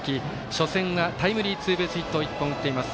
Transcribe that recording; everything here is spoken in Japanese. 初戦はタイムリーツーベースを１本、打っています。